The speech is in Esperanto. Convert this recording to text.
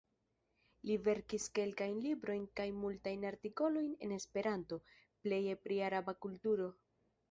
Li verkis kelkajn librojn kaj multajn artikolojn en Esperanto, pleje pri araba kulturo.